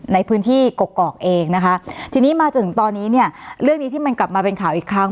ในพื้นที่กกอกเองนะคะทีนี้มาจนถึงตอนนี้เนี่ยเรื่องนี้ที่มันกลับมาเป็นข่าวอีกครั้ง